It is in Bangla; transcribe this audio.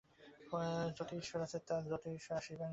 যত ঈশ্বর আছেন আর যত ঈশ্বর আসিবেন, সকলকেই তোমরা পূজা করিতে পার।